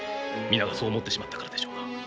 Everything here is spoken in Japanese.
皆がそう思ってしまったからでしょうな。